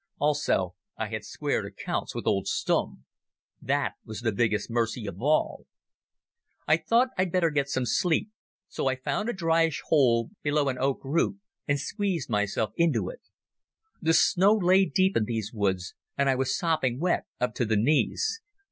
Also I had squared accounts with old Stumm. That was the biggest mercy of all. I thought I'd better get some sleep, so I found a dryish hole below an oak root and squeezed myself into it. The snow lay deep in these woods and I was sopping wet up to the knees.